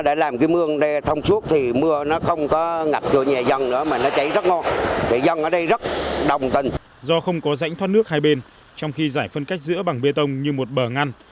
do không có rãnh thoát nước hai bên trong khi giải phân cách giữa bằng bê tông như một bờ ngăn